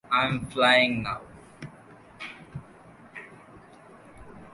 I’m flying now.